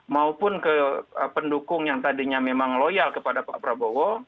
maupun ke pendukung yang tadinya memang loyal kepada pak prabowo